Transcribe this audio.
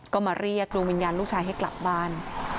ก็มาเรียกดวงวิญญาณลูกชายให้กลับบ้าน